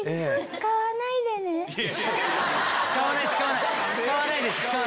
使わないです